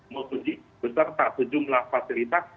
mau puji beserta sejumlah fasilitas